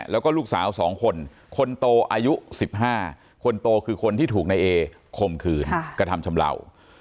แล้วก็ลูกสาว๒คนคนโตอายุ๑๕คนโตคือคนที่ถูกนายเอคมขืนกระทำชำเหล่า